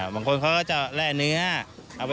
บางคนเขาก็จะแร่เนื้อเอาไปผัดต้นหอม